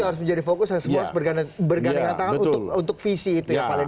itu harus menjadi fokus bergantungan tangan untuk visi itu